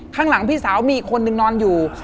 ข้างหลังพี่สาวมีอีกคนนึงนอนอยู่